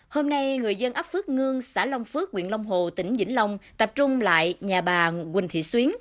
hôm nay người dân ấp phước ngưng xã long phước quyện long hồ tỉnh vĩnh long tập trung lại nhà bà quỳnh thị xuyến